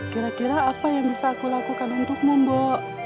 kira kira apa yang bisa aku lakukan untukmu mbok